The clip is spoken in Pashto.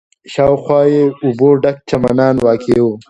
شاوخوا یې اوبو ډک چمنان واقع و.